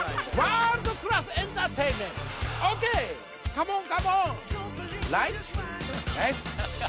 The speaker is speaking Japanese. カモンカモン！